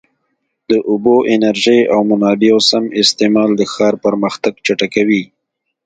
د اوبو، انرژۍ او منابعو سم استعمال د ښار پرمختګ چټکوي.